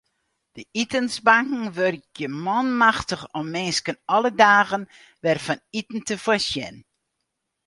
De itensbanken wurkje manmachtich om minsken alle dagen wer fan iten te foarsjen.